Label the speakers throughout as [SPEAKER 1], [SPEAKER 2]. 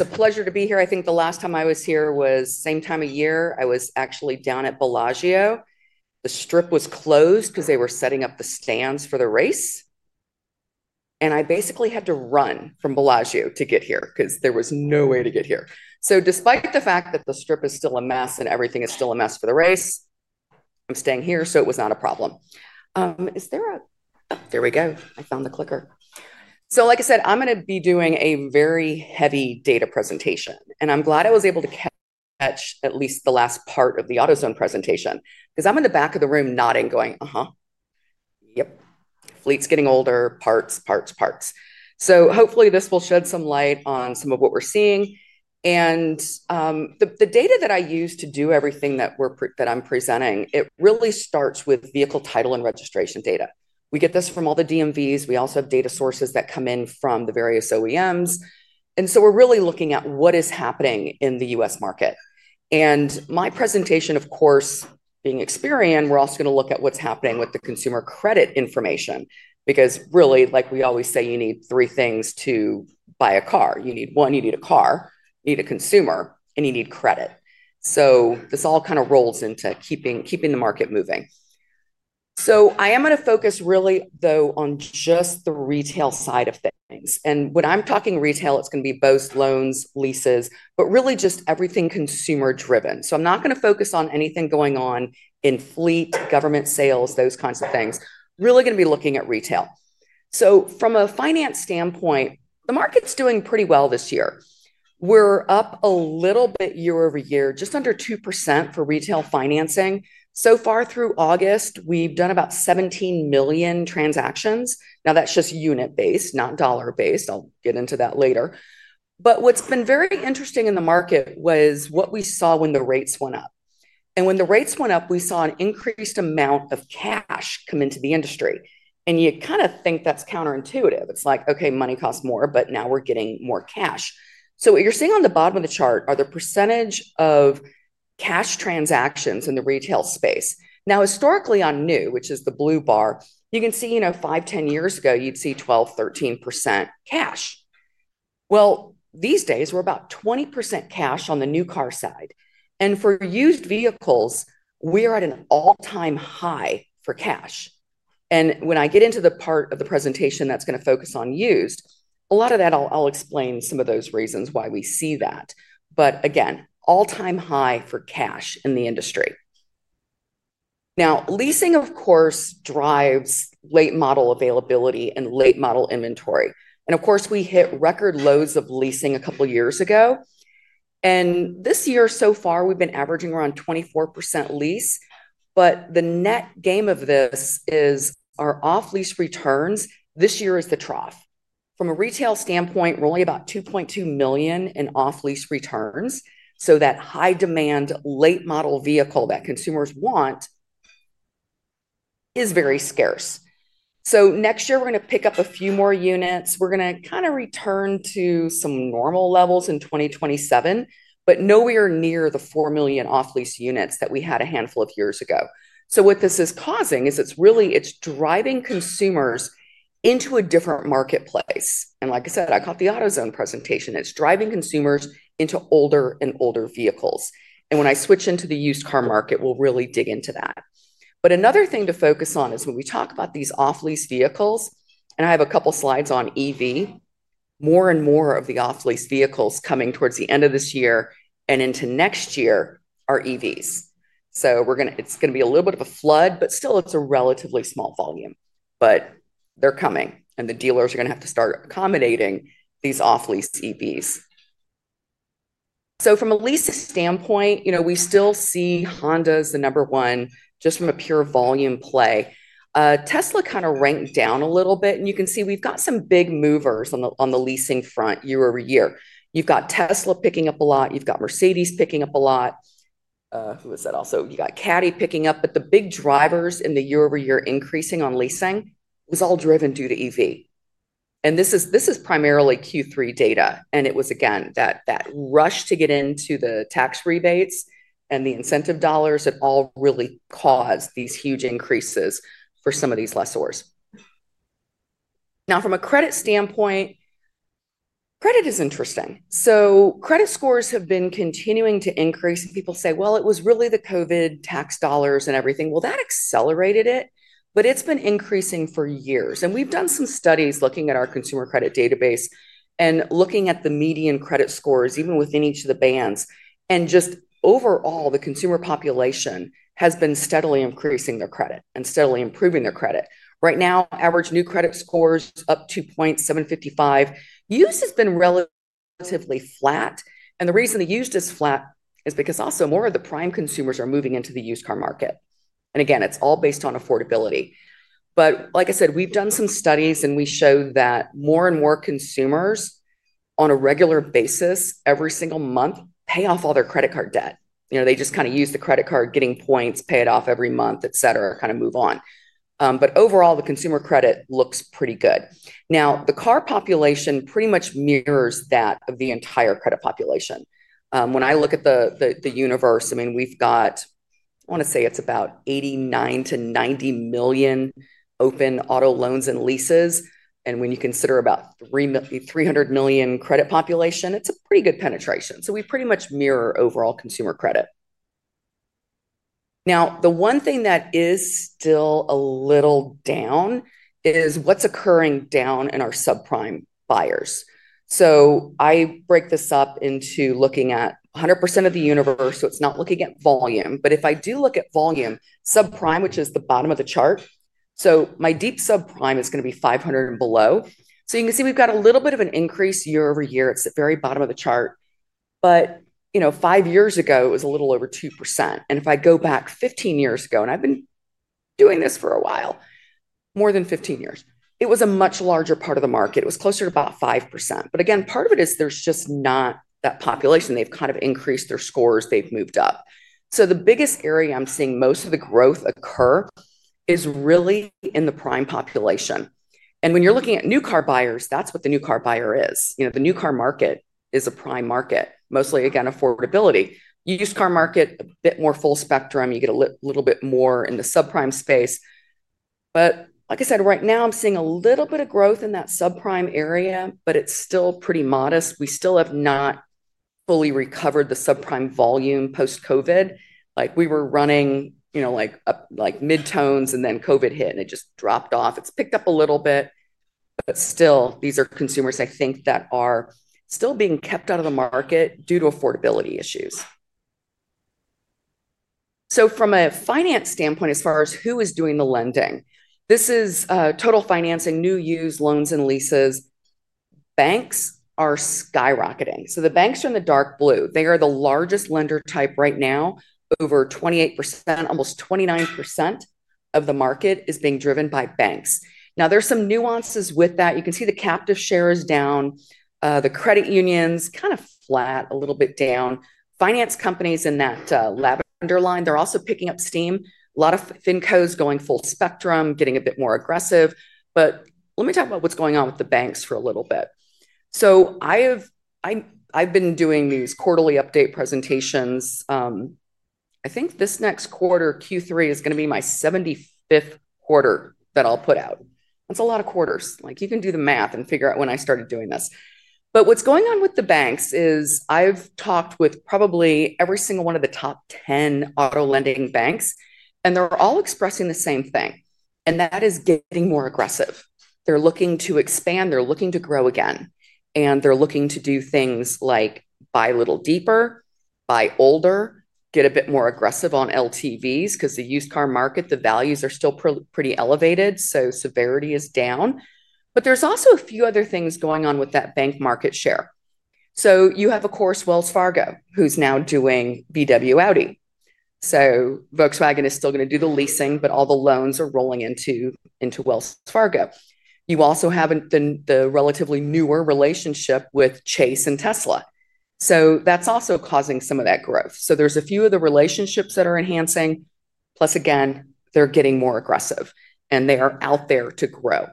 [SPEAKER 1] A pleasure to be here. I think the last time I was here was same time of year. I was actually down at Bellagio. The Strip was closed because they were setting up the stands for the race and I basically had to run from Bellagio to get here because there was no way to get here. So despite the fact that the Strip is still a mess and everything is still a mess for the race, I'm staying here. So it was not a problem. Is there a there we go. I found the clicker. So, like I said, I'm going to be doing a very heavy data presentation and I'm glad I was able to catch at least the last part of the AutoZone presentation because I'm in the back of the room nodding, going, huh? Yep. Fleet's getting older parts, parts, parts. So hopefully this will shed some light on some of what we're seeing. And the data that I use to do everything that I'm presenting, it really starts with vehicle title and registration data. We get this from all the DMVs. We also have data sources that come in from the various OEMs. And so we're really looking at what is happening in the U.S. market. And my presentation, of course, being Experian, we're also going to look at what's happening with the consumer credit information because really, like we always say, you need three things to buy a car, you need one, you need a car, you need a consumer, and you need credit. So this all kind of rolls into keeping the market moving. So I am going to focus really though, on just the retail side of things. And when I'm talking retail, it's going to be both loans, leases, but really just everything consumer driven. So I'm not going to focus on anything going on in fleet, government sales, those kinds of things. Really going to be looking at retail. So from a finance standpoint, the market's doing pretty well this year. We're up a little bit year-over-year, just under 2% for retail financing. So far through August, we've done about 17 million transactions. Now that's just unit based, not dollar based. I'll get into that later. But what's been very interesting in the market was what we saw when the rates went up, and when the rates went up, we saw an increased amount of cash come into the industry. And you kind of think that's counterintuitive. It's like, okay, money costs more, but now we're getting more cash. So what you're seeing on the bottom of the chart are the percentage of cash transactions in the retail space. Now historically on new, which is the blue bar, you can see, you know, five, 10 years ago you'd see 12%, 13% cash. Well, these days we're about 20% cash on the new car side. And for used vehicles we are at an all-time high for cash. And when I get into the part of the presentation that's going to focus on used, a lot of that, I'll explain some of those reasons why we see that. But again, all-time high for cash in the industry. Now leasing of course drives late model availability and late model inventory. And of course we hit record lows of leasing a couple of years ago and this year so far we've been averaging around 24% lease. But the net game of this is our off-lease returns. This year is the trough from a retail standpoint really about 2.2 million in off-lease returns. So that high demand late model vehicle that consumers want is very scarce. So next year we're going to pick up a few more units. We're going to kind of return to some normal levels in 2027, but nowhere near the 4 million off-lease units that we had a handful of years ago. So what this is causing is it's really, it's driving consumers and into a different marketplace. And like I said, I caught the AutoZone presentation, it's driving consumers into older and older vehicles and when I switch into the used car market we'll really dig into that. But another thing to focus on is when we talk about these off-lease vehicles and I have a couple of slides on EV. More and more of the off-lease vehicles coming towards the end of this year and into next year are EVs. So we're going to, it's going to be a little bit of a flood, but still it's a relatively small volume but they're coming and the dealers are going to have to start accommodating these off-lease EVs. So from a lease standpoint, you know, we still see Honda as the number one. Just from a pure volume play, Tesla kind of ranked down a little bit. And you can see we've got some big movers on the, on the leasing front year-over-year. You've got Tesla picking up a lot, you've got Mercedes picking up a lot. Who is that? Also you got Caddy picking up. But the big drivers in the year-over-year increasing on leasing was all driven due to EV. And this is, this is primarily Q3 data. And it was again that, that rush to get into the tax rebates and the incentive dollars that all really caused these huge increases for some of these lessors. Now, from a credit standpoint, credit is interesting. So credit scores have been continuing to increase. People say, well, it was really the COVID tax dollars and everything, well, that accelerated it. But it's been increasing for years. And we've done some studies looking at our consumer credit database and looking at the median credit scores even within each of the bands. Just overall, the consumer population has been steadily increasing their credit and steadily improving their credit. Right now, average new credit scores up 2.755. Used has been relatively flat. And the reason the used is flat is because also more of the prime consumers are moving into the used car market. And again, it's all based on affordability. But like I said, we've done some studies and we showed that more and more consumers, on a regular basis, every single month, pay off all their credit card debt. You know, they just kind of use the credit card, getting points, pay it off every month, et cetera, kind of move on. But overall, the consumer credit looks pretty good. Now the car population pretty much mirrors that of the entire credit population. When I look at the universe, I mean we've got, I want to say it's about 89 million-90 million open auto loans and leases. And when you consider about 300 million credit population, it's a pretty good penetration. So we pretty much mirror overall consumer credit. Now the one thing that is still a little down is what's occurring down in our subprime buyers. So I break this up into looking at 100 of the universe. So it's not looking at volume. But if I do look at volume, subprime, which is the bottom of the chart. So my deep subprime is going to be 500 and below. So you can see we've got a little bit of an increase year-over-year. It's at very bottom of the chart. But you know, five years ago it was a little over 2%. And if I go back fifteen years ago, and I've been doing this for a while, more than fifteen years, it was a much larger part of the market. It was closer to about 5%. But again, part of it is there's just not that population. They've kind of increased their scores, they've moved up. So the biggest area I'm seeing most of the growth occur is really in the prime population. And when you're looking at new car buyers, that's what the new car buyer is. You know, the new car market is a prime market mostly. Again, affordability, used car market, a bit more full spectrum, you get a little bit more in the subprime space. But like I said, right now I'm seeing a little bit of growth in that subprime area, but it's still pretty modest. We still have not fully recovered the subprime volume post-COVID like we were running, you know, like, like mid-teens and then COVID hit and it just dropped off. It's picked up a little bit, but still these are consumers, I think, that are still being kept out of the market due to affordability issues. So from a finance standpoint, as far as who is doing the lending, this is total finance and new used loans and leases. Banks are skyrocketing. So the banks are in the dark blue. They are the largest lender type right now, over 28%. Almost 29% of the market is being driven by banks. Now there's some nuances with that. You can see the captive share is down. The credit unions kind of flat, a little bit down. Finance companies in that lavender line, they're also picking up steam. A lot of Fincos going full spectrum, getting a bit more aggressive. But let me talk about what's going on with the banks for a little bit. So I have, I've been doing these quarterly update presentations. I think this next quarter Q3 is going to be my 75th quarter that I'll put out. That's a lot of quarters. Like you can do the math and figure out when I started doing this. But what's going on with the banks is I've talked with probably every single one of the top 10 auto lending banks and they're all expressing the same thing and that is getting more aggressive. They're looking to expand, they're looking to grow again and they're looking to do things like buy a little deeper, buy older, get a bit more aggressive on LTVs. Because the used car market, the values are still pretty elevated, so severity is down. But there's also a few other things going on with that bank market share. So you have of course Wells Fargo, who's now doing VW and Audi. So Volkswagen is still going to do the leasing, but all the loans are rolling into Wells Fargo. You also have the relatively newer relationship with Chase and Tesla, so that's also causing some of that growth. So there's a few of the relationships that are enhancing. Plus again, they're getting more aggressive and they are out there to grow.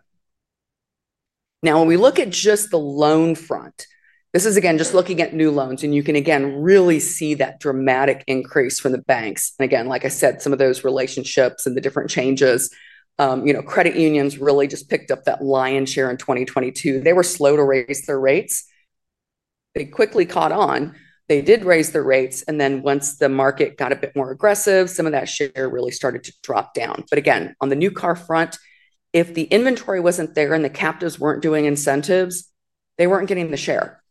[SPEAKER 1] Now when we look at just the loan front, this is again just looking at new loans. And you can again really see that dramatic increase from the banks. And again, like I said, some of those relationships and the different changes, you know, credit unions really just picked up that lion's share in 2022. They were slow to raise their rates. They quickly caught on. They did raise the rates and then once the market got a bit more aggressive, some of that share really started to drop down. But again, on the new car, if the inventory wasn't there and the captives weren't doing incentives, they weren't getting the share.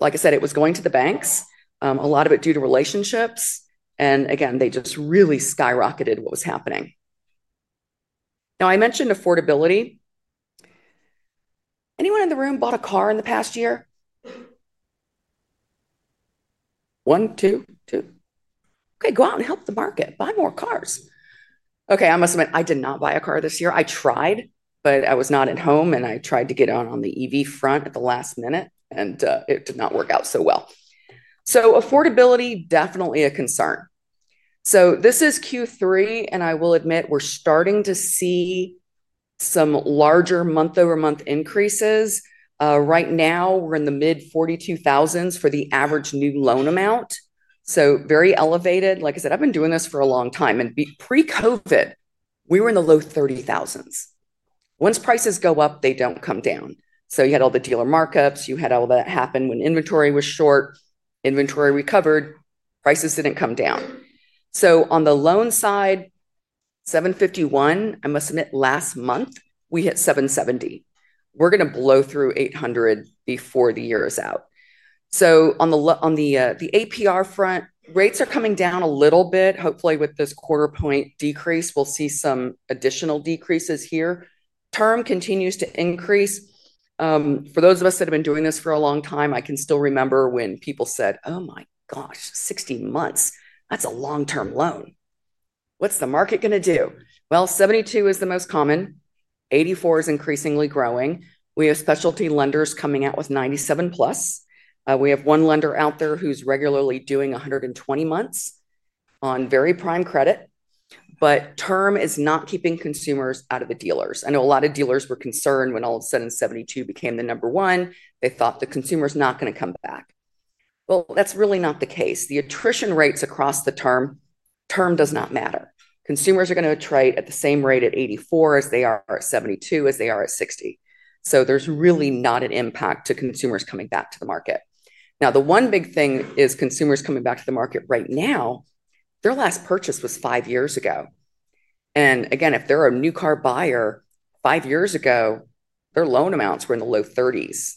[SPEAKER 1] Like I said, it was going to the banks, a lot of it due to relationships. And again, they just really skyrocketed. What was happening now? I mentioned affordability. Anyone in the room bought a car in the past year? One, two, two. Okay, go out and help the market buy more cars. Okay. I must admit, I did not buy a car this year. I tried, but I was not at home. I tried to get on the EV front at the last minute and it did not work out so well. So affordability definitely a concern. So this is Q3 and I will admit we're starting to see some larger month over month increases right now. We're in the mid-42,000's for the average new loan amount so very elevated. Like I said, I've been doing this for a long time and pre-Covid we were in the low 30,000. Once prices go up, they don't come down. So you had all the dealer markups, you had all that happen when inventory was short, inventory recovered, prices didn't come down. So on the loan side, 751, I must admit, last month we hit 770. We're going to blow through 800 before the year is out. So on the APR front, rates are coming down a little bit. Hopefully with this quarter point decrease, we'll see some additional decreases here. Term continues to increase. For those of us that have been doing this for a long time, I can still remember when people said, oh my gosh, 60 months, that's a long term loan. What's the market going to do? Well, 72 is the most common. 84 is increasingly growing. We have specialty lenders coming out with 97+. We have one lender out there who's regularly doing 120 months on very prime credit. But term is not keeping consumers out of the dealers. I know a lot of dealers were concerned when all of a sudden 72 became the number one. They thought the consumer's not going to come back. Well, that's really not the case the attrition rates across the term. Term does not matter. Consumers are going to try at the same rate at 84 as they are at 72 as they are at 60. So there's really not an impact to consumers coming back to the market. Now. The one big thing is consumers coming back to the market right now. Their last purchase was five years ago. And again, if they're a new car buyer, five years ago their loan amounts were in the low 30s.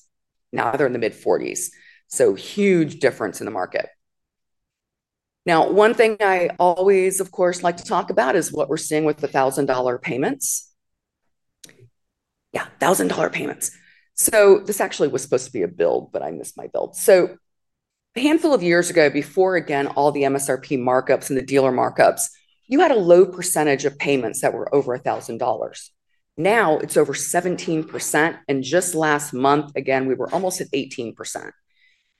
[SPEAKER 1] Now they're in the mid-40s. So huge difference in the market. Now one thing I always of course like to talk about is what we're seeing with the $1,000 payments. Yeah, $1,000 payments. So this actually was supposed to be a build, but I missed my build. So a handful of years ago before again, all the MSRP markups and the dealer markups, you had a low percentage of payments that were over $1,000. Now it's over 17%. And just last month again we were almost at 18%.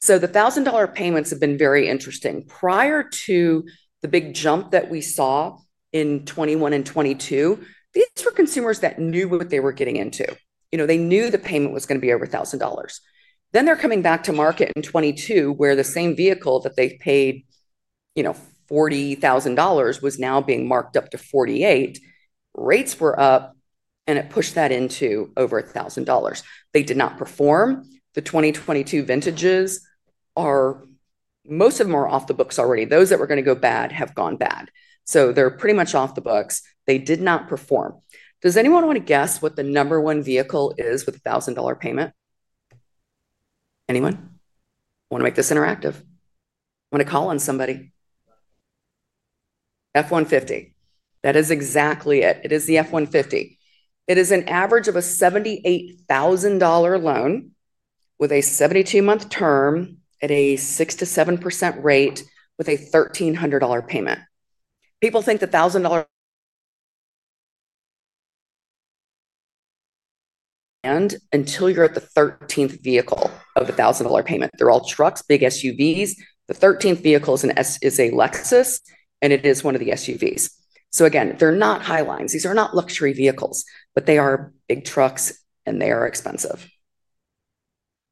[SPEAKER 1] So the $1,000 payments have been very interesting. Prior to the big jump that we saw in 2021 and 2022, these were consumers that knew what they were getting into. You know, they knew the payment was going to be over $1,000. Then they're coming back to market in 2022 where the same vehicle that they paid, you know, $40,000 was now being marked up to $48,000, rates were up and it pushed that into over $1,000. They did not perform. The 2022 vintages are, most of them are off the books already. Those that were going to go bad have gone bad. So they're pretty much off the books. They did not perform. Does anyone want to guess what the number one vehicle is with $1,000 payment? Anyone want to make this interactive? Want to call on somebody? F150. That is exactly it. It is the F150. It is an average of a $78,000 loan with a 72 month term at a 6%-7% rate. With a $1,300 payment, people think the thousand dollar. And until you're at the 13th vehicle of a thousand dollar payment, they're all trucks, big SUVs. The 13th vehicle is an, is a Lexus and it is one of the SUVs. So again, they're not high lines, these are not luxury vehicles, but they are big trucks and they are expensive.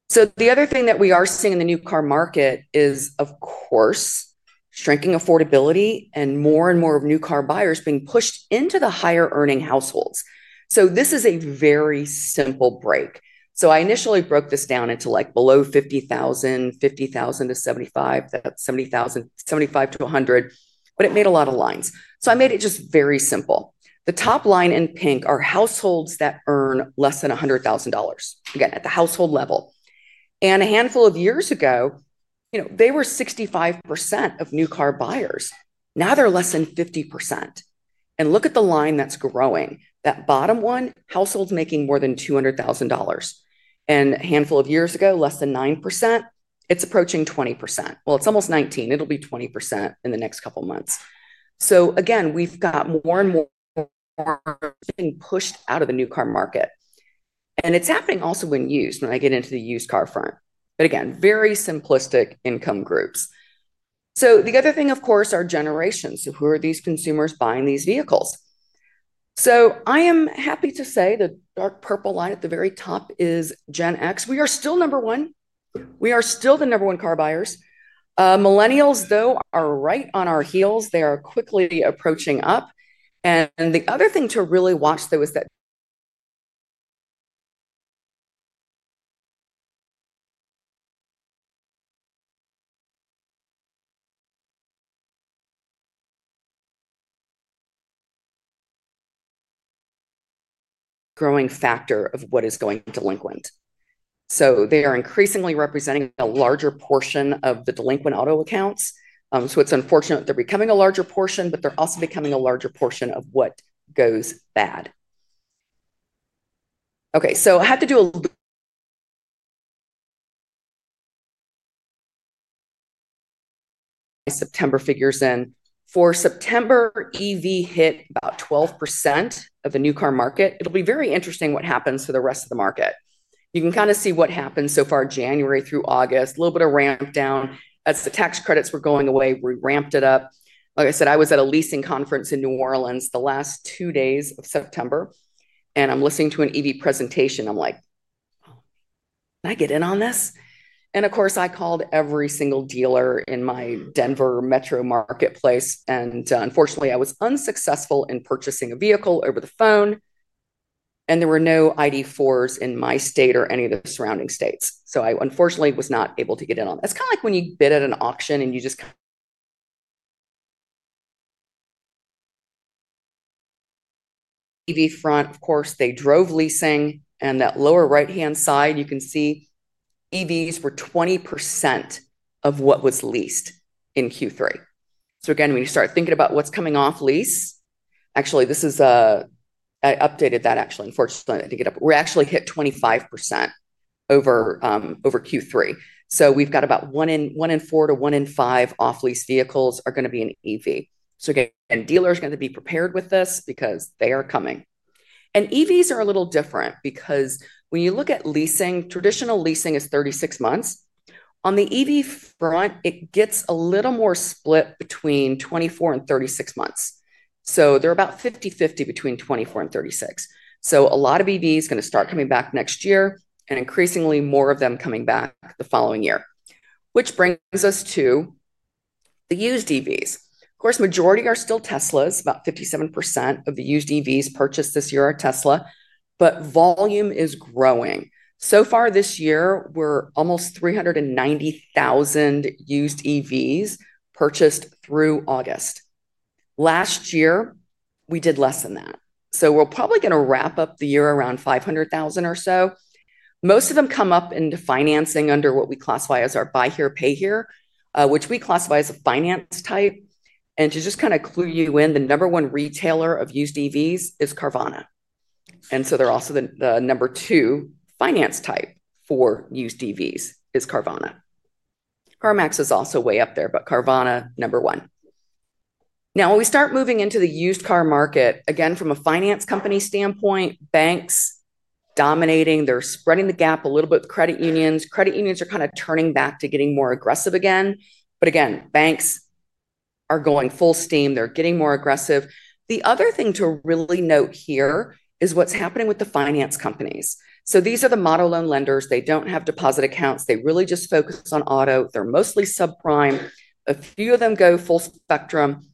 [SPEAKER 1] So the other thing that we are seeing in the new car market is of course shrinking affordability and more and more of new car buyers being pushed into the higher earning households. So this is a very simple break. So I initially broke this down into like below $50,000, $50,000-$75,000, $75,000-$100,000. But it made a lot of lines. So I made it just very simple. The top line in pink are households that earn less than $100,000 again at the household level. And a handful of years ago, you know, they were 65% of new car buyers. Now they're less than 50%. And look at the line that's growing, that bottom one. Households making more than $200,000 and a handful of years ago, less than 9%. It's approaching 20%. Well, it's almost 19%. It'll be 20% in the next couple months. So again, we've got more and more being pushed out of the new car market. And it's happening also when used, when I get into the used car front. But again, very simplistic income groups. So the other thing, of course, our generations, who are these consumers buying these vehicles. So I am happy to say the dark purple line at the very top is Gen X. We are still number one. We are still the number one car buyers. Millennials, though, are right on our heels. They are quickly approaching up. And the other thing to really watch though is growing factor of what is going delinquent. So they are increasingly representing a larger portion of the delinquent auto accounts. So it's unfortunate they're becoming a larger portion, but they're also becoming a larger portion of what goes bad. Okay, so I have to do a September figures in. For September, EV hit about 12% of the new car market. It'll be very interesting what happens to the rest of the market. You can kind of see what happened so far. January through August, a little bit of ramp down. As the tax credits were going away, we ramped it up. Like I said, I was at a leasing conference in New Orleans the last two days of September and I'm listening to an EV presentation. I'm like, can I get in on this, and of course, I called every single dealer in my Denver metro marketplace and unfortunately I was unsuccessful in purchasing a vehicle over the phone. And there were no ID 4s in my state or any of the surrounding states, so I unfortunately was not able to get in on. It's kind of like when you bid at an auction and you just EV front. Of course, they drove leasing, and that lower right hand side you can see EVs were 20% of what was leased in Q3. So again, when you start thinking about what's coming off lease, actually, this is, I updated that. Actually, unfortunately, I think we actually hit 25% over Q3, so we've got about one in four to one in five off-lease vehicles are going to be an EV. So again, dealers going to be prepared with this because they are coming, and EVs are a little different because when you look at leasing, traditional leasing is 36 months on the EV front, it gets a little more split between 24 and 36 months. So they're about 50-50 between 24 and 36. So a lot of EV is going to start coming back next year and increasingly more of them coming back the following year, which brings us to the used EVs. Of course, majority are still Teslas. About 57% of the used EVs purchased this year are Tesla. But volume is growing. So far this year we're almost 390,000 used EVs purchased through August. Last year we did less than that. So we're probably going to wrap up the year around 500,000 or so. Most of them come up into financing under what we classify as our buy here, pay here, which we classify as a finance type. And to just kind of clue you in, the number one retailer of used EVs is Carvana, and so they're also the number two finance type for used EVs is Carvana. CarMax is also way up there, but Carvana number one. Now we start moving into the used car market again from a finance company standpoint. Banks dominating. They're spreading the gap a little bit. Credit unions, credit unions are kind of turning back to getting more aggressive again, but again, banks are going full steam, they're getting more aggressive. The other thing to really note here is what's happening with the finance companies. So these are the model loan lenders. They don't have deposit accounts, they really just focus on auto. They're mostly subprime. A few of them go full spectrum,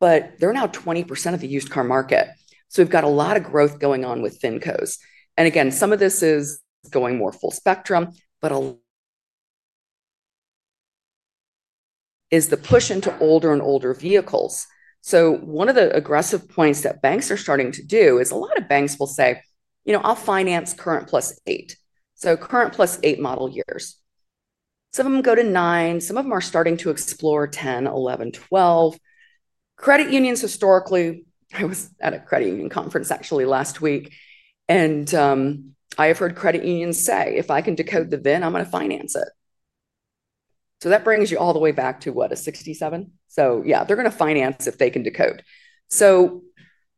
[SPEAKER 1] but they're now 20% of the used car market. So we've got a lot of growth going on within cos. And again, some of this is going more full spectrum, but is the push into older and older vehicles. So one of the aggressive points that banks are starting to do is a lot of banks will say, you know, I'll finance current plus eight. So current plus eight model years. Some of them go to nine, some of them are starting to explore 10, 11, 12 credit unions historically. I was at a credit union conference actually last week and I have heard credit unions say, if I can decode the VIN, I'm going to finance it. So that brings you all the way back to what a 67. So yeah, they're going to finance if they can decode. So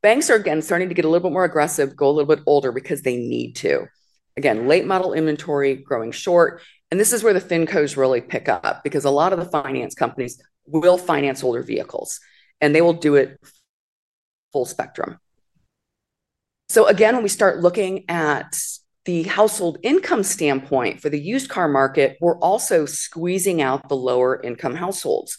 [SPEAKER 1] banks are again starting to get a little bit more aggressive, go a little bit older because they need to again late model inventory growing short and this is where the Fincos really pick up because a lot of the finance companies will finance older vehicles and they will do it full spectrum. So again when we start looking at the household income standpoint for the used car market, we're also squeezing out the lower income households.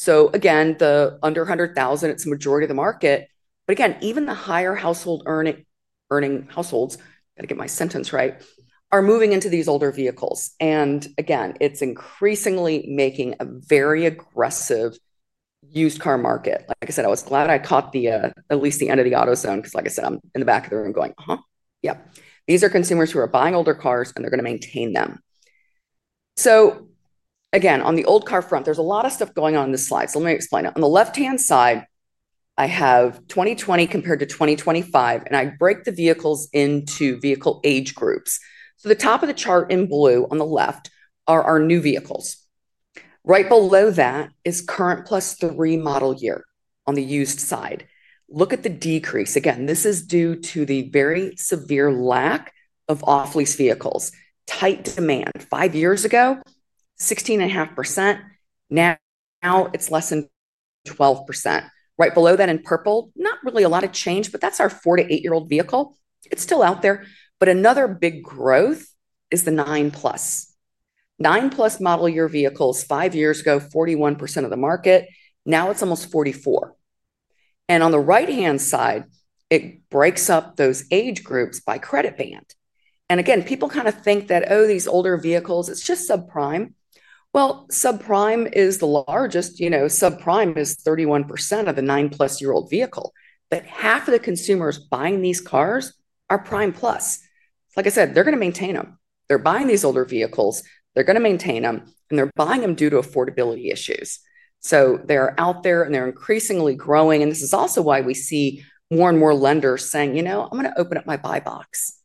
[SPEAKER 1] So again the under $100,000 it's a majority of the market. But again even the higher household earning households. Gotta get my sentence right. Are moving into these older vehicles and again it's increasingly making a very aggressive used car market. Like I said, I was glad I caught the at least the end of the AutoZone because like I said I'm in the back of the room going huh? Yep, these are consumers who are buying older cars and they're going to maintain them. So again on the old car front there's a lot of stuff going on in the slide. So let me explain it. On the left hand side I have 2020 compared to 2025. And I break the vehicles into vehicle age groups. So the top of the chart in blue on the left are our new vehicles. Right below that is current plus three model year. On the used side look at the decrease. Again this is due to the very severe lack of off lease vehicles. Tight demand. Five years ago 16.5%. Now it's less than 12%. Right below that in purple, not really a lot of change. But that's our 4 year old-8 year old vehicle. It's still out there. But another big growth is the 9+. 9+ model year vehicles. Five years ago 41% of the market, now it's almost 44%. And on the right hand side it breaks up those age groups by credit band. And again people kind of think that oh these older vehicles it's just subprime. Well, Subprime is the largest. Subprime is 31% of a 9+ year-old vehicle. But half of the consumers buying these cars are Prime+ like I said, they're going to maintain them, they're buying these older vehicles, they're going to maintain them and they're buying them due to affordability issues. So they're out there and they're increasingly growing. And this is also why we see more and more lenders saying you know, I'm going to open up my buy box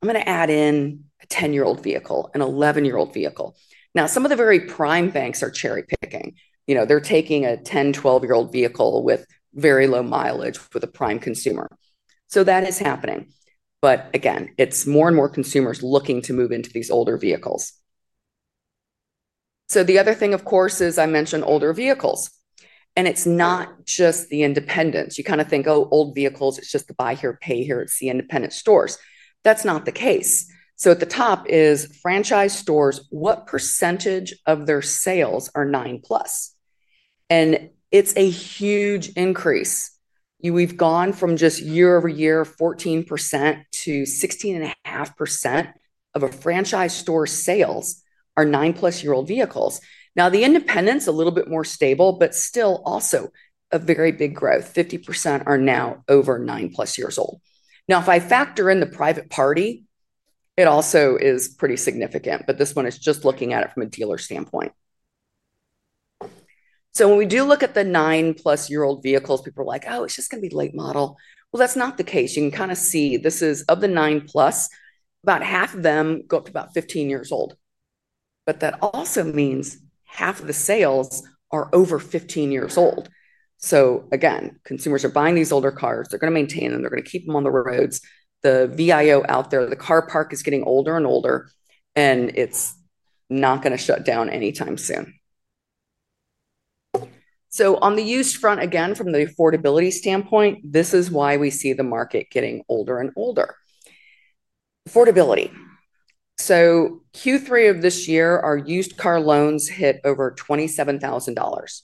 [SPEAKER 1] I'm going to add in a 10-year-old vehicle, an 11-year-old vehicle. Now some of the very prime banks are cherry picking. You know, they're taking a 10-12-year-old vehicle with very low mileage with a prime consumer. So that is happening. But again, it's more and more consumers looking to move into these older vehicles. So the other thing of course is I mentioned older vehicles and it's not just the independents. You kind of think, oh, old vehicles, it's just the buy here, pay here. It's the independent stores that's not the case. So at the top is franchise stores. What percentage of their sales are 9+ and it's a huge increase. We've gone from just year over year, 14%-16.5% of a franchise store sales are 9+ year-old vehicles. Now the independents, a little bit more stable but still also a very big growth. 50% are now over 9+ years old. Now if I factor in the private party, it also is pretty significant. But this one is just looking at it from a dealer standpoint. So when we do look at the 9+ year-old vehicles, people are like, oh, it's just going to be late model. Well, that's not the case. You can kind of see this is of the 9+, about half of them go up to about 15 years old. But that also means half of the sales are over 15 years old. So again, consumers are buying these older cars, they're going to maintain them, they're going to keep them on the roads. The VIO out there, the car park is getting older and older and it's not going to shut down anytime soon. So on the used front, again, from the affordability standpoint, this is why we see the market getting older and older. Affordability, so Q3 of this year, our used car loans hit over $27,000.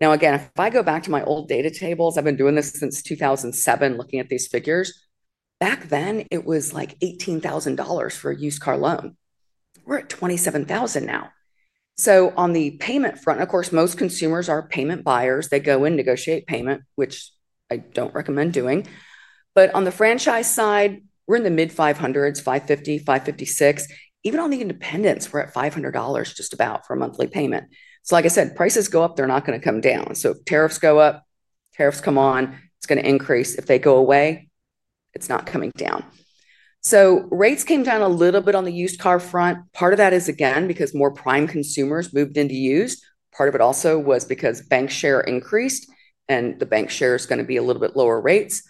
[SPEAKER 1] Now again, if I go back to my old data tables, I've been doing this since 2007, looking at these figures. Back then it was like $18,000 for a used car loan. We're at $27,000 now. So on the payment front, of course most consumers are payment buyers. They go in, negotiate payment, which I don't recommend doing. But on the franchise side, we're in the mid-$500s. $550, $556. Even on the independents, we're at $500 just about for a monthly payment. So like I said, prices go up, they're not going to come down. So if tariffs go up, tariffs come on, it's going to increase. If they go away, it's not coming down. So rates came down a little bit on the used car front. Part of that is again because more prime consumers moved into used. Part of it also was because bank share increased and the bank share is going to be a little bit lower. Rates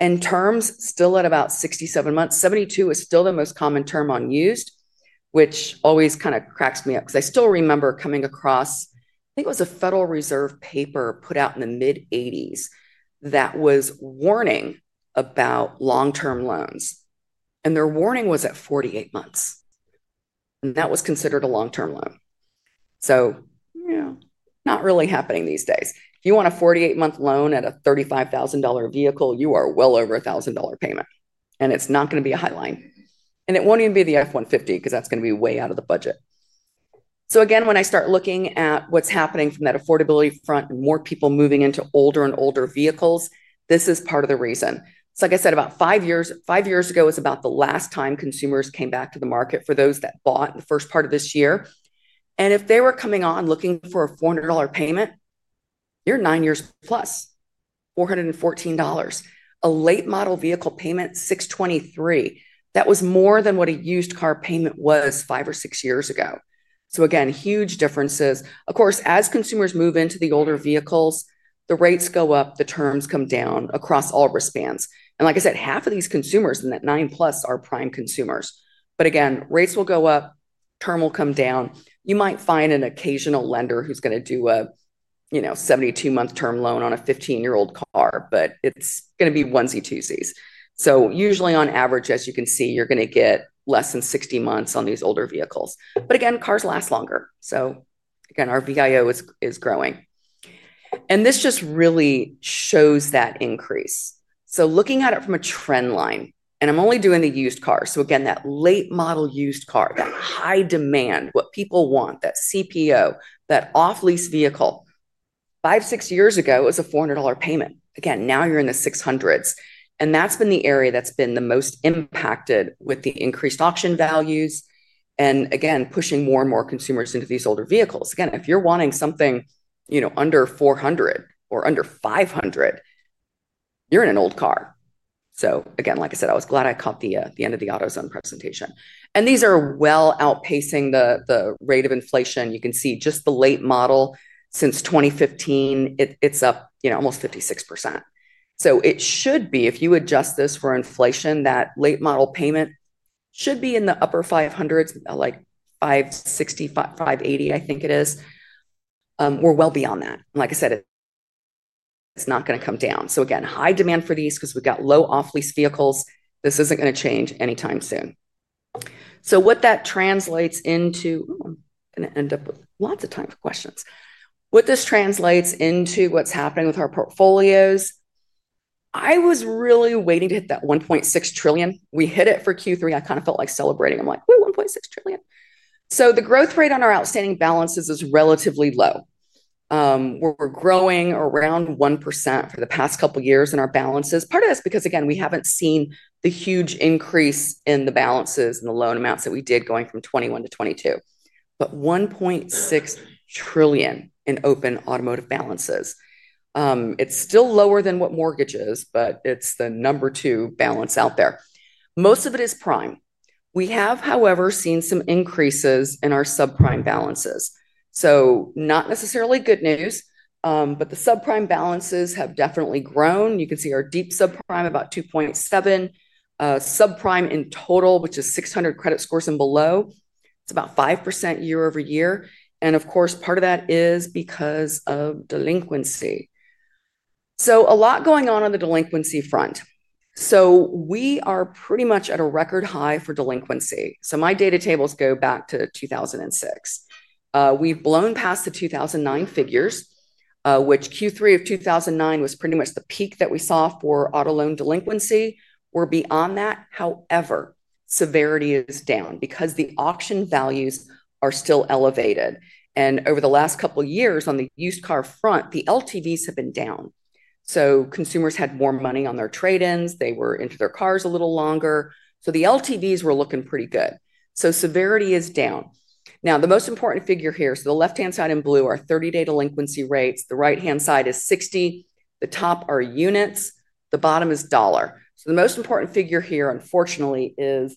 [SPEAKER 1] and terms still at about 67 months. 72 is still the most common term on used, which always kind of cracks me up because I still remember coming across, I think it was a Federal Reserve paper put out in the mid-80s that was warning about long term loans and their warning was at 48 months and that was considered a long term loan. So yeah, not really happening these days. If you want a 48 month loan at a $35,000 vehicle, you are well over a $1,000 payment and it's not going to be a high line and it won't even be the F-150 because that's going to be way out of the budget. So again when I start looking at what's happening from that affordability front and more people moving into older and older vehicles, this is part of the reason. So like I said, about five years, five years ago is about the last time consumers came back to the market. For those that bought the first part of and if they were coming on looking for a $400 payment, you're 9 years+, $414, a late model vehicle payment, $623, that was more than what a used car payment was five or six years ago. So again, huge differences. Of course as consumers move into the older vehicles, the rates go up, the terms come down across all risk bands and like I said, half of these consumers in that 9+ are Prime consumers. But again, rates will go up, term will come down. You might find an occasional lender who's going to do a, you know, 72 month term loan on a 15 year old car. But it's going to be onesie-twosies. So usually on average as you can see, you're going to get less than 60 months on these older vehicles. But again, cars last longer. So again our VIO is growing and this just really shows that increase. So looking at it from a trend line and I'm only doing the used car. So again, that late model used car, that high demand, what people want, that CPO, that off lease vehicle five, six years ago is a $400 payment. Again now you're in the six hundreds and that's been the area that's been the most impacted. With the increased auction values and again pushing more and more consumers into these older vehicles, again, if you're wanting something, you know, under $400 or under $500, you're in an old car. So again, like I said, I was glad I caught the end of the AutoZone presentation. And these are well outpacing the rate of inflation. You can see just the late model since 2015 it's up, you know, almost 56%. So it should be, if you adjust this for inflation, that late model payment should be in the upper 500s, like $565, $580. I think it is. We're well beyond that. Like I said, it's not going to come down. So again, high demand for these because we've got low off-lease vehicles. This isn't going to change anytime soon. So what that translates into and end up with lots of time for questions, what this translates into, what's happening with our portfolios? I was really waiting to hit that $1.6 trillion. We hit it for Q3. I kind of felt like celebrating. I'm like $1.6 trillion. So the growth rate on our outstanding balances is relatively low. We're growing around 1% for the past couple of years in our balances. Part of this because again we haven't seen the huge increase in the balances and the loan amounts that we did going from 2021-2022, but $1.6 trillion in open automotive balances. It's still lower than what mortgage is, but it's the number two balance out there. Most of it is Prime. We have however seen some increases in our Subprime balances. So not necessarily good news. But the subprime balances have definitely grown. You can see our Deep Subprime, about 2.7% Subprime in total, which is 600 credit scores and below it's about 5% year-over-year. And of course part of that is because of Delinquency. So a lot going on on the Delinquency front. So we are pretty much at a record high for Delinquency. So my data tables go back to 2006. We've blown past the 2009 figures which Q3 of 2009 was pretty much the peak that we saw for Auto Loan Delinquency. We're beyond that. However, severity is down because the auction values are still elevated. And over the last couple years on the used car front, the LTVs have been down. So consumers had more money on their trade-ins. They were into their cars a little longer. So the LTVs were looking pretty good. So severity is down now. The most important figure here. So the left-hand side in blue are 30-day Delinquency rates. The right-hand side is 60. The top are units, the bottom is dollar. So the most important figure here unfortunately is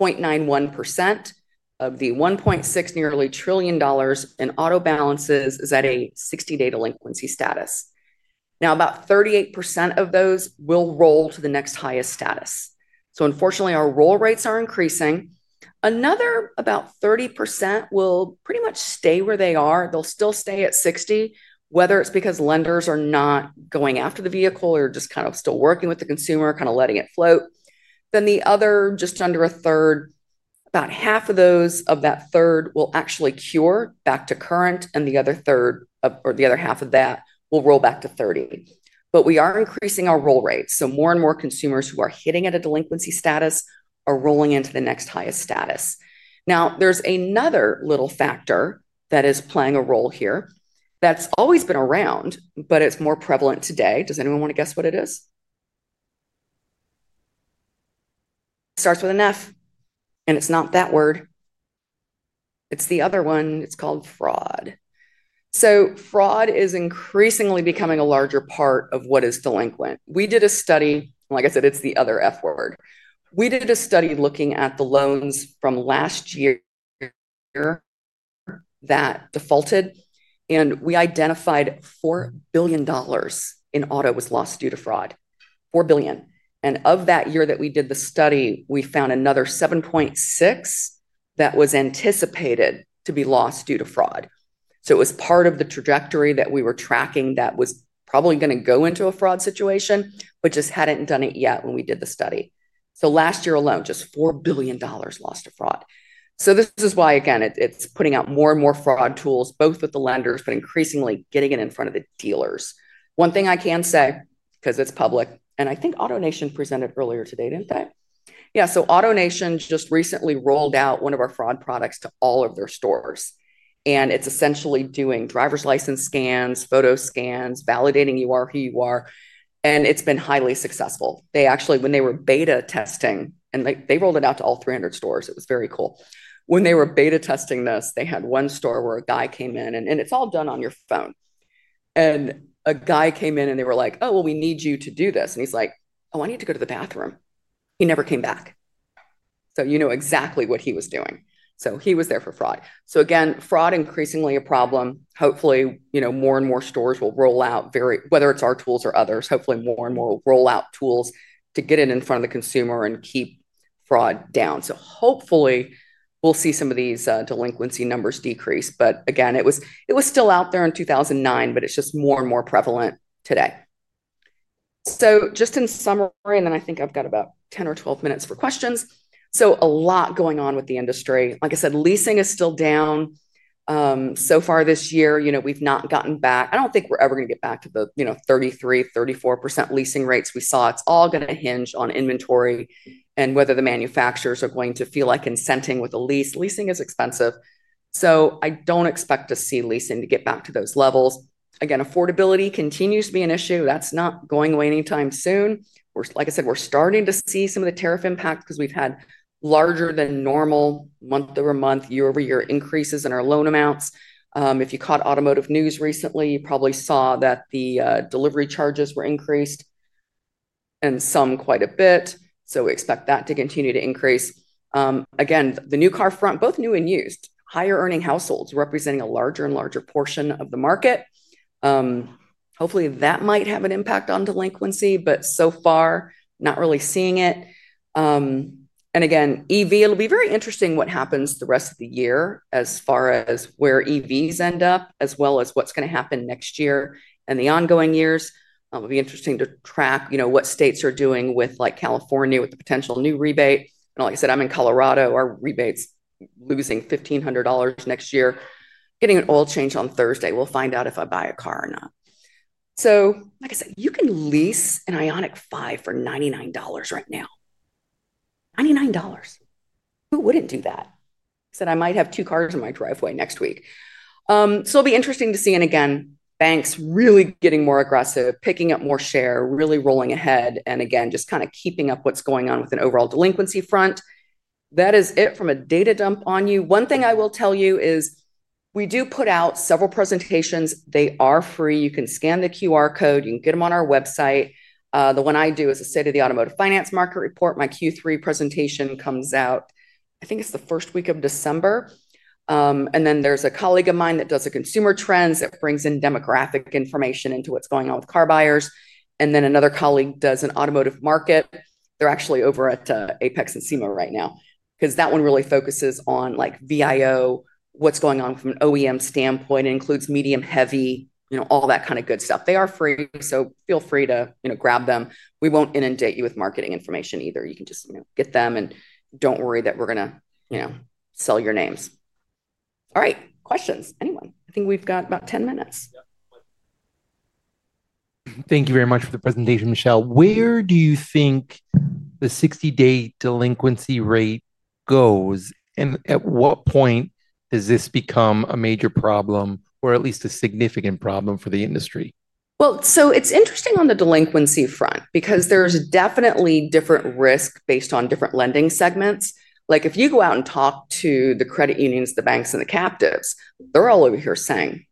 [SPEAKER 1] 0.91% of the nearly $1.6 trillion dollars in auto balances is at a 60-day delinquency status. Now about 38% of those will roll to the next highest status. So unfortunately our roll rates are increasing. Another about 30% will pretty much stay where they are. They'll still stay at 60. Whether it's because lenders are not going after the vehicle or just kind of still working with the consumer, kind of letting it float. Then the other just under a third, about half of those of that third will actually cure back to current and the other third or the other half of that will roll back to 30. But we are increasing our roll rates. More and more consumers who are hitting at a delinquency status are rolling into the next highest status. Now there's another little factor that is playing a role here that's always been around, but it's more prevalent today. Does anyone want to guess what it is? Starts with an F. It's not that word, it's the other one. It's called Fraud. Fraud is increasingly becoming a larger part of what is delinquent. We did a study, like I said, it's the other F word. We did a study looking at the loans from last year that defaulted and we identified $4 billion in auto was lost due to Fraud. $4 billion. For that year that we did the study, we found another $7.6 billion that was anticipated to be lost due to fraud. It was part of the trajectory that we were tracking that was probably going to go into a fraud situation, but just hadn't done it yet when we did the study. Last year alone, just $4 billion lost to fraud. This is why again, it's putting out more and more fraud tools, both with the lenders, but increasingly getting it in front of the dealers. One thing I can say because it's public. I think AutoNation presented earlier today, didn't they? Yeah. AutoNation just recently rolled out one of our fraud products to all of their stores and it's essentially doing driver's license scans, photo scans, validating you are who you are. It's been highly successful. They actually when they were beta testing and they rolled it out to all 300 stores, it was very cool. When they were beta testing this, they had one store where a guy came in and it's all done on your phone and a guy came in and they were like, oh well we need you to do this. He's like, oh, I need to go to the bathroom. He never came back. You know exactly what he was doing. He was there for Fraud. Fraud increasingly a problem. Hopefully, you know, more and more stores will roll out whether it's our tools or others, hopefully more and more roll out tools to get it in front of the consumer and keep Fraud down. Hopefully we'll see some of these Delinquency numbers decrease. It was still out there in 2009 but it's just more and more prevalent today. Just in summary and then I think I've got about 10 or 12 minutes for questions. So a lot going on with the industry. Like I said, leasing is still down so far this year, you know, we've not gotten back. I don't think we're ever going to get back to the, you know, 33%-34% leasing rates we saw. It's all going to hinge on inventory and whether the manufacturers are going to feel like consenting with a lease. Leasing is expensive so I don't expect to see leasing to get back to those levels again. Affordability continues to be an issue that's not going away anytime soon. Like I said, we're starting to see some of the tariff impact because we've had larger than normal month-over-month, year-over-year increases in our loan amounts. If you caught automotive news recently, you probably saw that the delivery charges were increased and some quite a bit. So we expect that to continue to increase. Again the new car front, both new and used higher earning households representing a larger and larger portion of the market. Hopefully that might have an impact on delinquency but so far not really seeing it. And again EV, it'll be very interesting what happens the rest of the year as far as where EVs end up as well as what's going to happen next year and the ongoing years. It'll be interesting to track, you know, what states are doing with like California with the potential new rebate. And like I said, I'm in Colorado. Our rebates losing $1,500 next year, getting an oil change on Thursday, we'll find out if I buy a car or not. So like I said, you can lease an Ioniq 5 for $99 right now. $99. Who wouldn't do that? Said I might have two cars in my driveway next week so it'll be interesting to see. And again, banks really getting more aggressive, picking up more share, really rolling ahead. And again just kind of keeping up what's going on with an overall delinquency front. That is it from a data dump on you. One thing I will tell you is we do put out several presentations. They are free. You can scan the QR code, you can get them on our website. The one I do is a state of the Automotive Finance market report. My Q3 presentation comes out. I think it's the first week of December. And then there's a colleague of mine that does a consumer trends that brings in demographic information into what's going on with car buyers. And then another colleague does an automotive market. They're actually over at AAPEX and SEMA right now because that one really focuses on like VIO what's going on from an OEM standpoint includes medium heavy, you know, all that kind of good stuff. They are free. So feel free to, you know, grab them. We won't inundate you with marketing information either. You can just get them. And don't worry that we're going to, you know, sell your names. All right, questions anyone? I think we've got about 10 minutes. Thank you very much for the presentation. Michelle, where do you think the 60-day Delinquency rate goes and at what point does this become a major problem? Or at least a significant problem for the industry? Well, so it's interesting on the Delinquency front because there's definitely different risk based on different lending segments. Like if you go out and talk to the credit unions, the banks and the captives, they're all over here saying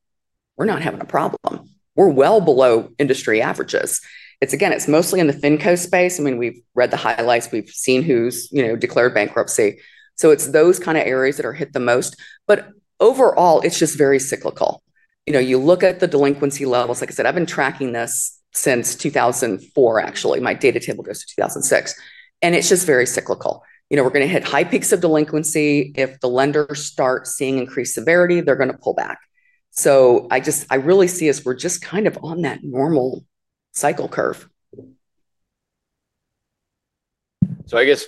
[SPEAKER 1] we're not having a problem, we're well below industry averages. It's again, it's mostly in the Finco space. I mean, we've read the highlights, we've seen who's declared bankruptcy. So it's those kind of areas that are hit the most. But overall it's just very cyclical. You know, you look at the Delinquency levels, like I said, I've been tracking this since 2004. Actually my data table goes to 2006 and it's just very cyclical. You know, we're going to hit high peaks of delinquency. If the lender start seeing increased severity, they're going to pull back. So I just, I really see us, we're just kind of on that normal cycle curve.
[SPEAKER 2] So I guess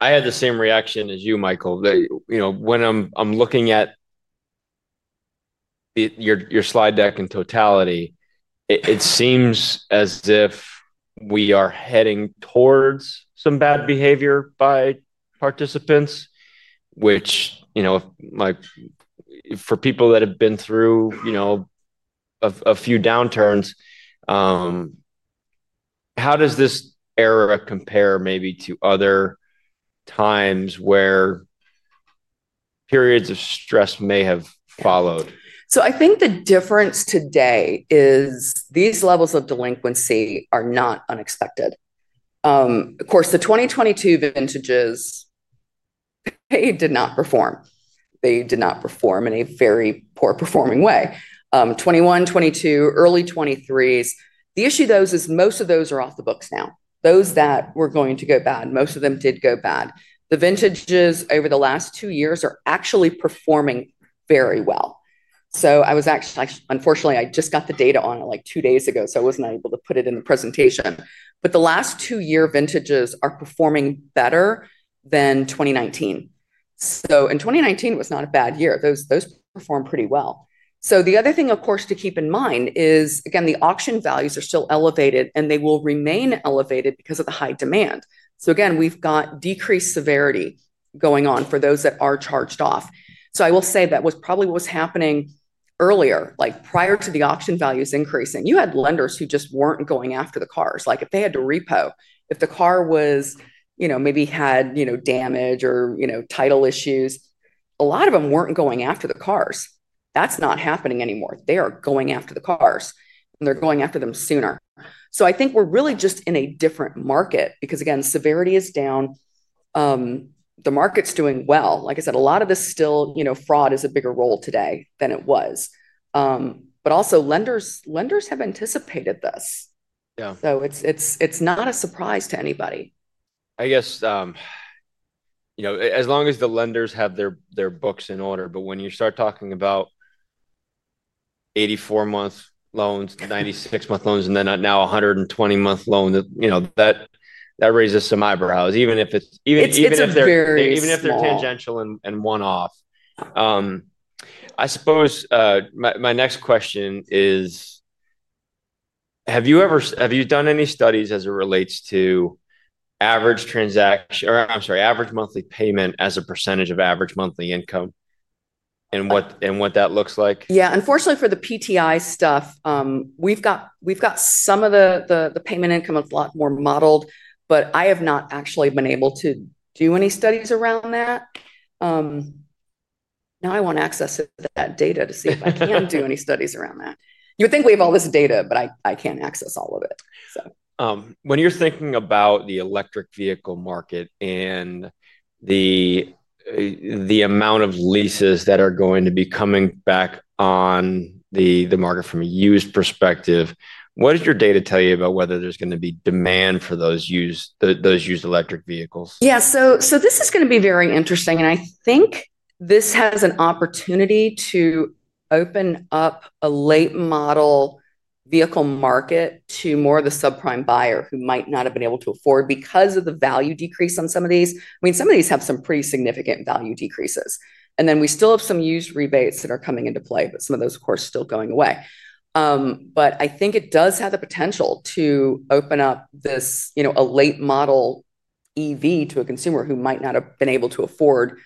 [SPEAKER 2] I had the same reaction as you, Michael. You know, when I'm looking at your slide deck in totality, it seems as if we are heading towards some bad behavior by participants, which for people that have been through a few downturns, how does this era compare maybe to other times where periods of stress may have followed?
[SPEAKER 1] So I think the difference today is these levels of delinquency are not unexpected. Of course, the 2022 vintages, they did not perform. They did not perform in a very poor performing way. 21, 22, early 23s. The issue though is most of those are off the books now. Those that were going to go bad, most of them did go bad. The vintages over the last two years are actually performing very well. So I was actually, unfortunately I just got the data on it like two days ago, so I wasn't able to put it in the presentation. But the last two year vintages are performing better than 2019. So in 2019 was not a bad year. Those, those performed pretty well. So the other thing of course to keep in mind is again, the auction values are still elevated and they will remain elevated because of the high demand. So again, we've got decreased severity going on for those that are charged off. So I will say that was probably what was happening earlier. Like prior to the auction values increasing, you had lenders who just weren't going after the cars. Like if they had to repo, if the car was, you know, maybe had, you know, damage or, you know, title issues, a lot of them weren't going after the cars. That's not happening anymore. They are going after the cars and they're going after them sooner. So I think we're really just in a different market because again, severity is down, the market's doing well. Like I said, a lot of this still, you know, fraud is a bigger role today than it was. But also lenders, lenders have anticipated this. Yeah. So it's not a surprise to anybody.
[SPEAKER 2] I guess, you know, as long as the lenders have their books in order. But when you start talking about 84 month loans, 96 month loans and then now 120 month loan, you know, that raises some eyebrows. Even if it's, even if they're tangential and one off. I suppose my next question is, have you ever, have you done any studies as it relates to average transaction or, I'm sorry, average monthly payment as a percentage of average monthly income and what, and what that looks like?
[SPEAKER 1] Yeah, unfortunately for the PTI stuff, we've got some of the payment income a lot more modeled, but I have not actually been able to do any studies around that. Now I want access that data to see if I can do any studies around that. You would think we have all this data, but I can't access all of it.
[SPEAKER 2] When you're thinking about the Electric Vehicle market and the amount of leases that are going to be coming back on the market from a used perspective, what does your data tell you about whether there's going to be demand for those used Electric Vehicles?
[SPEAKER 1] Yeah, so this is going to be very interesting and I think this has an opportunity to open up a late model vehicle market to more of the subprime buyer who might not have been able to afford because of the value decrease on some of these. I mean, some of these have some pretty significant value decreases and then we still have some used rebates that are coming into play, but some of those of course, still going away. But I think it does have the potential to open up this, you know, a late model EV to a consumer who might not have been able to afford,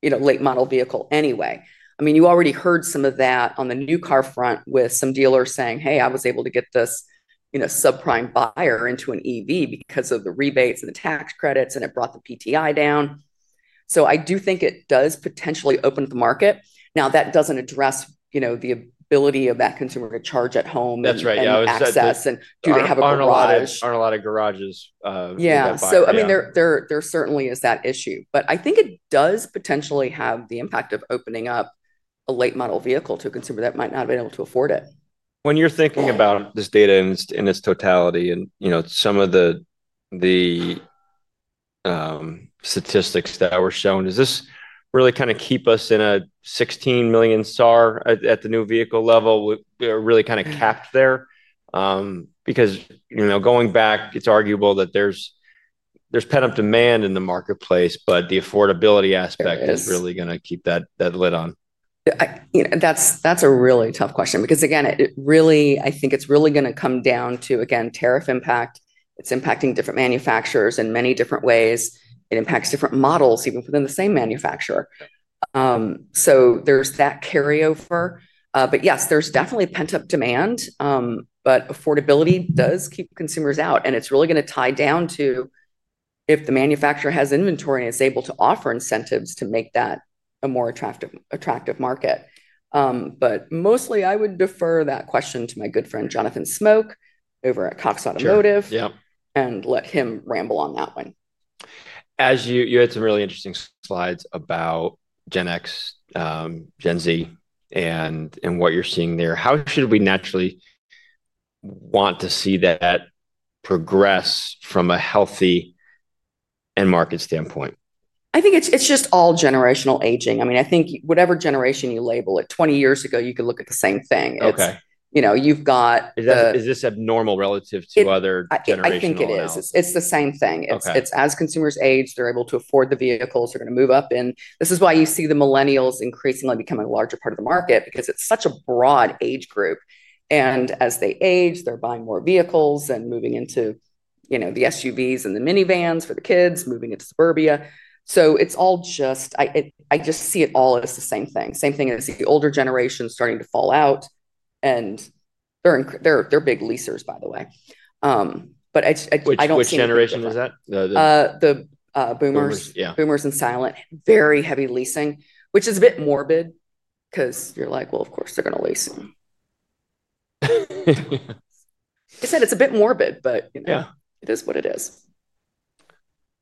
[SPEAKER 1] you know, late model vehicle anyway. I mean, you already heard some of that on the new car front with some dealers saying, hey, I was able to get this, you know, subprime buyer into an EV because of the rebates and the tax credits and it brought the PTI down. So I do think it does potentially open the market. Now that doesn't address, you know, the ability of that consumer to charge at home.
[SPEAKER 2] That's right, yeah. Aren't a lot of garages.
[SPEAKER 1] Yeah. So I mean there certainly is that issue, but I think it does potentially have the impact of up a late model vehicle to a consumer that might not have been able to afford it.
[SPEAKER 2] When you're thinking about this data in its totality and you know, some of the statistics that were shown, does this really kind of keep U.S. in a 16 million SAAR at the new vehicle level? We are really kind of capped there because, you know, going back, it's arguable that there's pent up demand in the marketplace, but the affordability aspect is really going to keep that lid on.
[SPEAKER 1] That's a really tough question because again, I think it's really going to come down to, again, tariff impact. It's impacting different manufacturers in many different ways. It impacts different models even within the same manufacturer. So there's that carryover. But yes, there's definitely pent up demand, but affordability does keep consumers out and it's really going to tie down to if the manufacturer has inventory and is able to offer incentives to make that a more attractive market. But mostly I would defer that question to my good friend Jonathan Smoke over at Cox Automotive and let him ramble on that one.
[SPEAKER 2] As you had some really interesting slides about Gen X, Gen Z and what you're seeing there. How should we naturally want to see that progress from a healthy and market standpoint?
[SPEAKER 1] I think it's just all generational aging. I mean, I think whatever generation you label it 20 years ago, you could look at the same thing.
[SPEAKER 2] Okay.
[SPEAKER 1] You know, you've got.
[SPEAKER 2] Is this abnormal relative to other generations?
[SPEAKER 1] I think it is. It's the same thing. It's as consumers age, they're able to afford the vehicles, they're going to move up. And this is why you see the Millennials increasingly becoming a larger part of the market, because it's such a broad age group and as they age, they're buying more vehicles and moving into, you know, the SUVs and the minivans for the kids moving into suburbia. So it's all just, I just see it all as the same thing. Same thing as the older generation starting to fall out. And they're big leasers, by the way. But which generation is that? The boomers. Yeah, boomers and silent, very heavy leasing. Which is a bit morbid because you're like, well, of course they're going to leasing. I said it's a bit morbid. But yeah, it is what it is.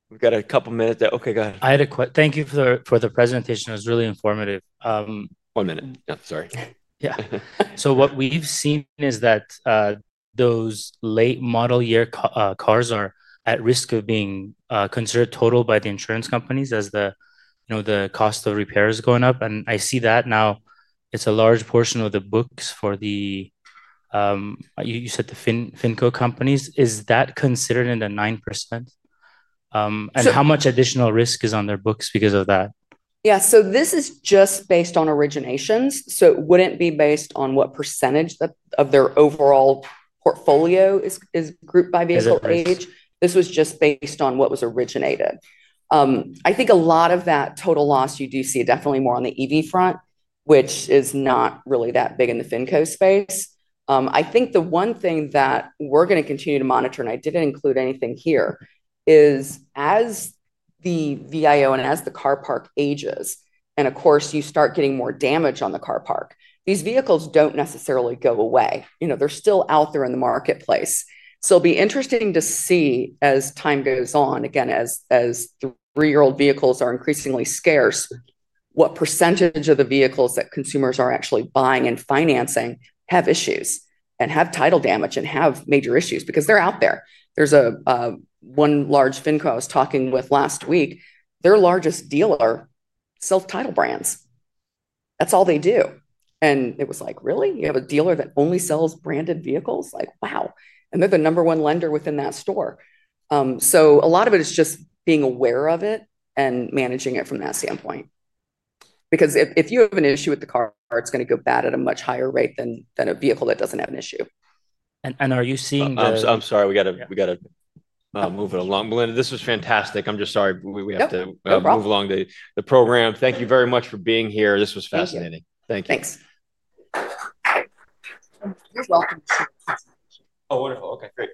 [SPEAKER 2] We've got a couple minutes. Okay, go ahead. I had a question. Thank you for the presentation. It was really informative. One minute, sorry. Yeah. So what we've seen is that those late model year cars are at risk of being considered total by the insurance companies as the cost of repairs going up. And I see that now. It's a large portion of the books for the Finco companies. Is that considered in the 9% and how much additional risk is on their books because of that?
[SPEAKER 1] Yeah. So this is just based on originations, so it wouldn't be based on what percentage of their overall portfolio is grouped by vehicle age. This was just based on what was originated. I think a lot of that total loss you do see definitely more on the EV front, which is not really that big in the Finco space. I think the one thing that we're going to continue to monitor, and I didn't include anything here, is as the VIO and as the car parc ages and of course you start getting more damage on the car parc, these vehicles don't necessarily go away, you know, they're still out there in the marketplace. So it'll be interesting to see as time goes on. Again, as three-year-old vehicles are increasingly scarce, what percentage of the vehicles that consumers are actually buying and financing have issues and have title damage and have major issues because they're out there. There's one large Finco I was talking with last week, their largest dealer, branded title brands. That's all they do. And it was like really, you have a dealer that only sells branded vehicles, like wow. And they're the number one lender within that store. So a lot of it is just being aware of it and managing it from that standpoint because if you have an issue with the car, it's going to go bad at a much higher rate than a vehicle that doesn't have an issue. Are you seeing?
[SPEAKER 2] I'm sorry, we got to move it along. This was fantastic. I'm just sorry we have to move along the program. Thank you very much for being here. This was fascinating.
[SPEAKER 1] Thank you. Thanks.
[SPEAKER 2] Oh, wonderful. Okay,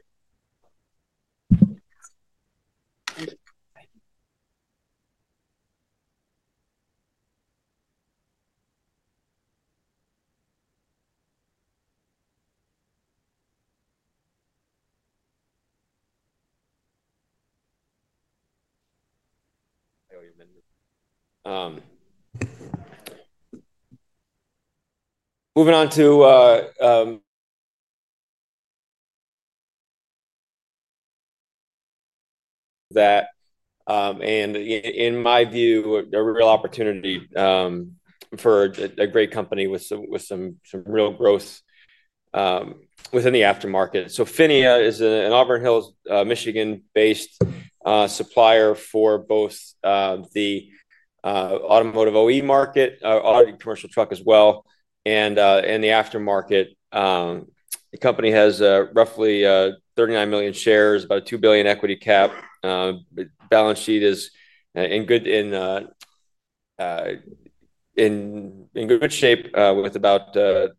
[SPEAKER 2] great. Moving on to that. In my view, a real opportunity for a great company with some real growth within the aftermarket. Phinia is an Auburn Hills, Michigan-based supplier for both the automotive OE market, commercial truck as well, and in the aftermarket. The company has roughly 39 million shares, about $2 billion equity cap. Balance sheet is in good shape with about $600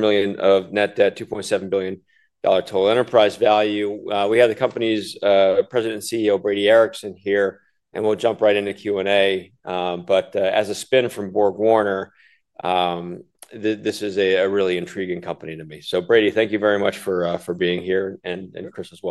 [SPEAKER 2] million of net debt, $2.7 billion total enterprise value. We have the company's President and CEO Brady Erickson here and we'll jump right into Q and A. As a spin from BorgWarner, this is a really intriguing company to me. Brady, thank you very much for being here and Chris as well.